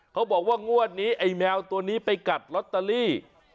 เขาบอกว่างวดนี้ไอ้แมวตัวนี้ไปกัดลอตเตอรี่